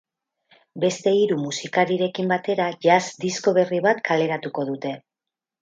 Beste hiru musikarirekin batera jazz disko berri bat kaleratuko dute.